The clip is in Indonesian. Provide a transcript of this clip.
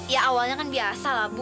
ya awalnya kan biasa lah bu